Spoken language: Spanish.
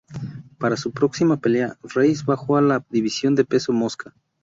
Para su próxima pelea, Reis bajó a la división de peso mosca.